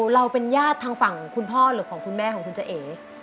เราเป็นญาติทางฝั่งคุณพ่อหรือของคุณแม่ของคุณจะเอ